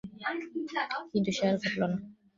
কিন্তু সে আর ঘটল না।